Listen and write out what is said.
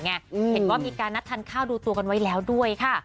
เห็นว่ามีการนัดทานข้าวดูตัวกันไว้แล้วด้วยค่ะ